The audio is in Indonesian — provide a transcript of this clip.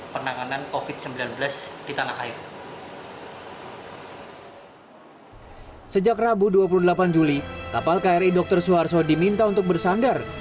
penanganan covid sembilan belas di tanah air hai sejak rabu dua puluh delapan juli kapal kri dr suharto diminta untuk bersandar